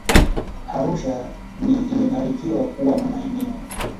Arusha ni imebarikiwa kuwa na maeneo